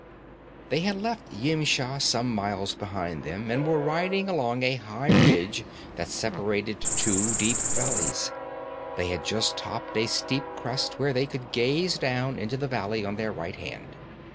They had left Yimsha some miles behind them, and were riding along a high ridge that separated two deep valleys. They had just topped a steep crest where they could gaze down into the valley on their right hand.